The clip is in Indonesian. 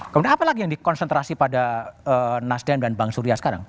kemudian apa lagi yang dikonsentrasi pada nasden dan bang surya sekarang